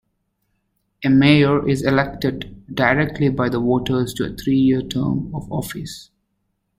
A Mayor is elected directly by the voters to a three-year term of office.